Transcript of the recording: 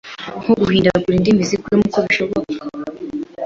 nko guhindegure indimi zigwemo uko beshetse,